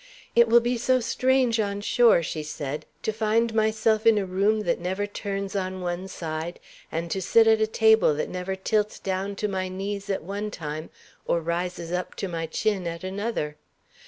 "It will be so strange on shore," she said, "to find myself in a room that never turns on one side, and to sit at a table that never tilts down to my knees at one time, or rises up to my chin at another.